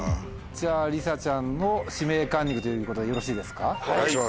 りさちゃんの「指名カンニング」ということでよろしいですか？